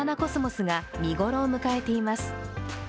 コスモスが見頃を迎えています。